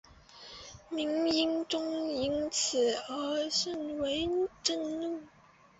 明英宗因此而甚为震怒。